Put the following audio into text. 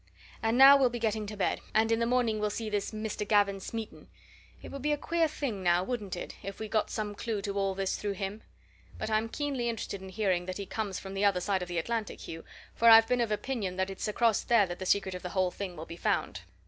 And now we'll be getting to bed, and in the morning we'll see this Mr. Gavin Smeaton. It would be a queer thing now, wouldn't it, if we got some clue to all this through him? But I'm keenly interested in hearing that he comes from the other side of the Atlantic, Hugh, for I've been of opinion that it's across there that the secret of the whole thing will be found."